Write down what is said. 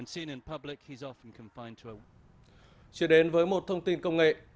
chuyển đến với một thông tin công nghệ